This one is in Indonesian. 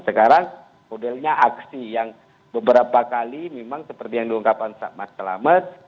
sekarang modelnya aksi yang beberapa kali memang seperti yang diungkapkan mas selamat